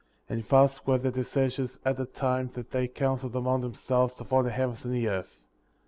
And thus were their decisions at the time that they counseled among themselves to form the heavens and the earth.